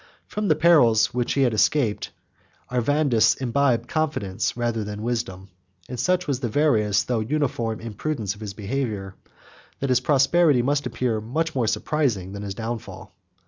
97 From the perils which he had escaped, Arvandus imbibed confidence rather than wisdom; and such was the various, though uniform, imprudence of his behavior, that his prosperity must appear much more surprising than his downfall.